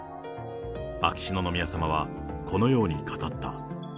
秋篠宮さまはこのように語った。